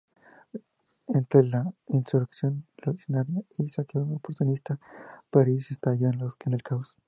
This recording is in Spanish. Entre la insurrección revolucionaria y el saqueo oportunista, París estalló en el caos.